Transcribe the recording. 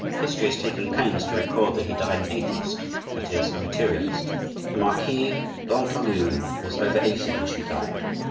History has taken pains to record that he died an atheist, that is, a materialist. The Marquise d'Entragues was over eighty when she died.